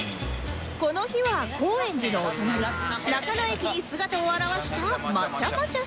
この日は高円寺のお隣中野駅に姿を現したまちゃまちゃ